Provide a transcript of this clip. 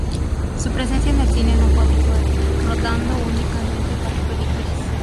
Su presencia en el cine no fue habitual, rodando únicamente cuatro películas.